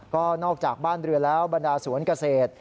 ก็นอกจากบ้านเรือแล้วบรรดาสวนเกษตร